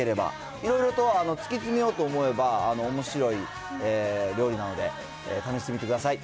いろいろと突き詰めようと思えば、おもしろい料理なので、試してみてください。